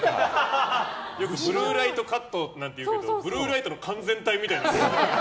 よくブルーライトカットなんていうけどブルーライトの完全体みたいな。